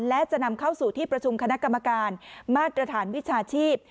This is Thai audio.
และจะนำเข้าสู่ที่ประชุมคณะกรรมการมาตรฐานวิชาชีพ